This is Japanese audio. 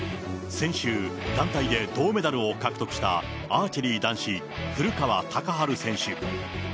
先週、団体で銅メダルを獲得したアーチェリー男子、古川高晴選手。